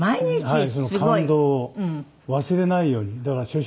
はい。